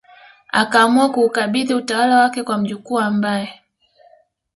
akaamua kuukabidhi utawala wake kwa mjukuu ambaye